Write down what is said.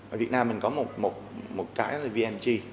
ở việt nam mình có một cái là vng